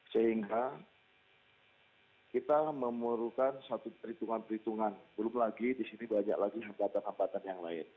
sehingga kita memerlukan satu perhitungan perhitungan belum lagi di sini banyak lagi hambatan hambatan yang lain